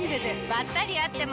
ばったり会っても。